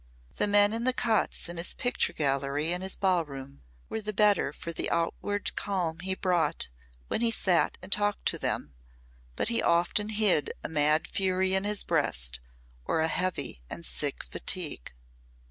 The men in the cots in his picture gallery and his ballroom were the better for the outward calm he brought when he sat and talked to them, but he often hid a mad fury in his breast or a heavy and sick fatigue.